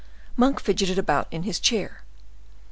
Monk fidgeted about in his chair.